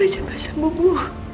sampai sampai sembuh bu